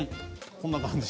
こんな感じ。